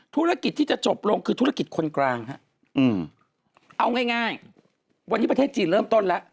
ธุรกิจที่จะจบลงคือธุรกิจคนกลางฮะเอาง่ายวันนี้ประเทศจีนเริ่มต้นแล้ว